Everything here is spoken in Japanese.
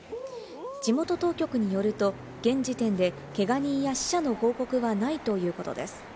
地元当局によると、現時点でけが人や死者の報告はないということです。